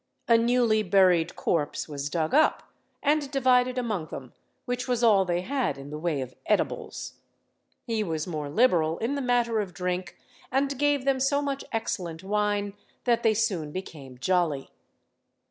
A newly buried corpse was dug up and divided among them, which was all they had in the way of edibles. He was more liberal in the matter of drink, and gave them so much excellent wine that they soon became jolly.